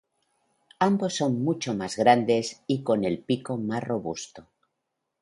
Ambos son mucho más grandes y con el pico más robusto.